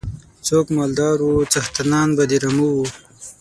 څوک مالدار وو څښتنان به د رمو وو.